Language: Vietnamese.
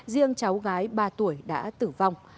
riêng cháu gái ba tuổi đã tử vong